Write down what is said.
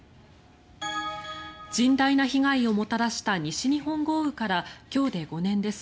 甚大な被害をもたらした西日本豪雨から今日で５年です。